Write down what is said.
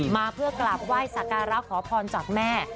มาเพื่อกราบไหว้สักการะขอพรจากแม่